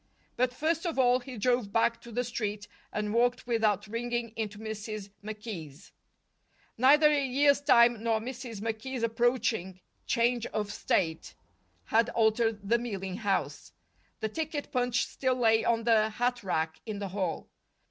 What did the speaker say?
But first of all he drove back to the Street, and walked without ringing into Mrs. McKee's. Neither a year's time nor Mrs. McKee's approaching change of state had altered the "mealing" house. The ticket punch still lay on the hat rack in the hall.